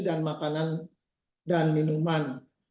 dan makanan dan minuman